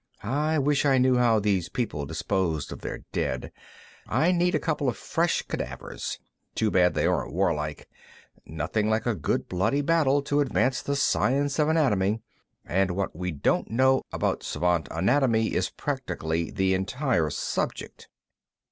I wish I knew how these people dispose of their dead. I need a couple of fresh cadavers. Too bad they aren't warlike. Nothing like a good bloody battle to advance the science of anatomy, and what we don't know about Svant anatomy is practically the entire subject."